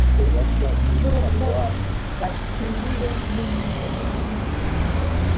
cy urupfu baviriwe n umucyo